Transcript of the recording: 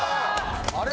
あれ？